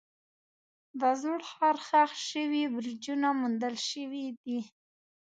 د زوړ ښار ښخ شوي برجونه موندل شوي دي.